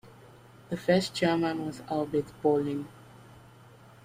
The first chairman was Albert Ballin.